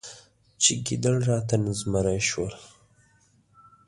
چې ګیدړ راته زمری شول.